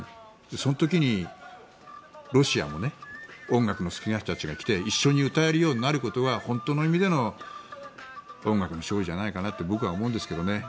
その時にロシアも音楽の好きな人たちが来て一緒に歌えるようになることが本当の意味での音楽の勝利じゃないかなって僕は思うんですけどね。